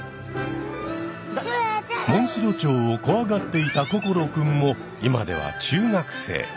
モンシロチョウをこわがっていた心くんも今では中学生。